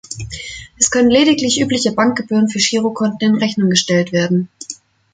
Es können lediglich übliche Bankgebühren für Girokonten in Rechnung gestellt werden.